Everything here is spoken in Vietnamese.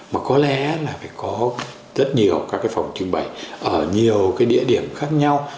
mà có lẽ là phải có rất nhiều các phòng trưng bày ở nhiều địa điểm khác nhau